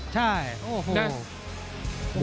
ใช่โอ้โห